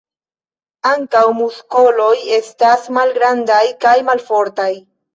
Ankaŭ muskoloj estas malgrandaj kaj malfortaj.